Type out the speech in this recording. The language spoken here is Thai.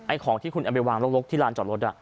ของที่คุณเอาไปวางลกที่ลานจอดรถ